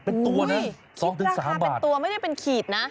เป็นตัวนะราคาเป็นตัวไม่ได้เป็นขีดนะ